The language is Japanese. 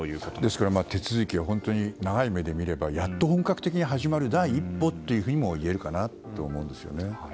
ですから、手続きが本当に長い目で見ればやっと本格的に始まる第一歩ともいえるかなと思います。